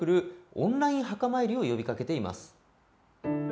オンライン墓参りを呼びかけています。